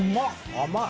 甘い！